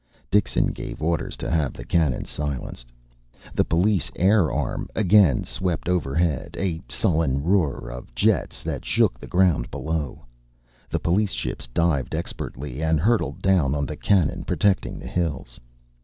Dixon gave orders to have the cannon silenced. The police air arm again swept overhead, a sullen roar of jets that shook the ground below. The police ships divided expertly and hurtled down on the cannon protecting the hills.